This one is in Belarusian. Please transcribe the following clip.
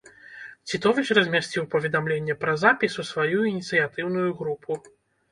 Цітовіч размясціў паведамленне пра запіс у сваю ініцыятыўную групу.